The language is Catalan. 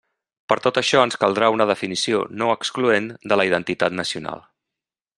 Per tot això ens caldrà una definició no excloent de la identitat nacional.